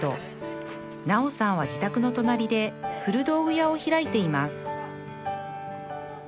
なおさんは自宅の隣で古道具屋を開いています